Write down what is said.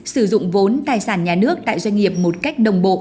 sử dụng vốn tài sản nhà nước tại doanh nghiệp một cách đồng bộ